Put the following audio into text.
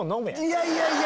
いやいやいや！